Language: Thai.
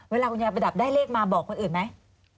เวลาคุณยายประดับได้เลขมาบอกคนอื่นไหม